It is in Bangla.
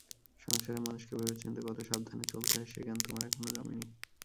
সংসারে মানুষকে ভেবেচিন্তে কত সাবধানে চলতে হয় সে জ্ঞান তোমার এখনো জনেনি।